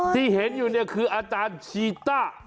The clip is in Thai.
ที่เห็นอยู่เนี่ยคืออาจารย์ชีต้า